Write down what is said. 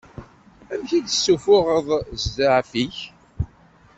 Amek i d-ssufuɣeḍ zɛaf-ik?